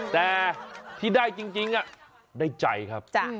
แต่ที่ได้จริงได้ใจครับ